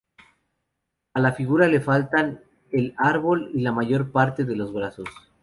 A la figura le faltan el árbol y la mayor parte de los brazos.